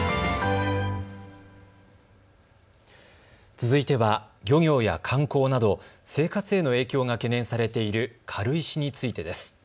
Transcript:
続いては漁業や観光など生活への影響が懸念されている軽石についてです。